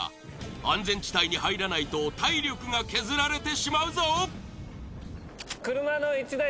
安全地帯に入らないと体力が削られてしまうぞ。